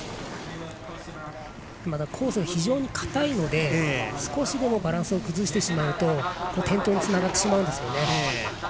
まだコースが非常にかたいので少しでもバランスを崩してしまうと転倒につながってしまうんですよね。